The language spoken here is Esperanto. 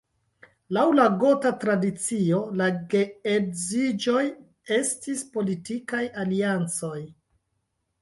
Laŭ la gota tradicio, la geedziĝoj estis politikaj aliancoj.